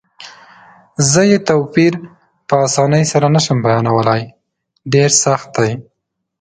زه یې توپیر په اسانۍ سره نه شم بیانولای، ډېر سخت دی.